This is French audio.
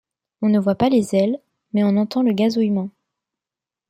On ne voit pas les ailes, mais on entend le gazouillement.